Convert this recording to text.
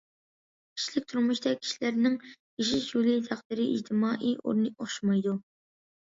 كىشىلىك تۇرمۇشتا كىشىلەرنىڭ ياشاش يولى، تەقدىرى، ئىجتىمائىي ئورنى ئوخشىمايدۇ.